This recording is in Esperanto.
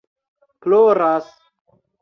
ploras